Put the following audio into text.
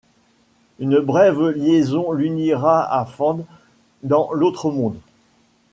Une brève liaison l'unira à Fand dans l'Autre Monde.